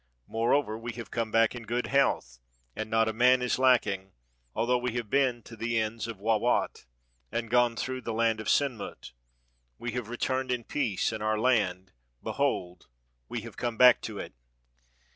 Moreover, we have come back in good health, and not a man is lacking; although we have been to the ends of Wawat, and gone through the land of Senmut, we have returned in peace, and our land — behold, we have come back to it.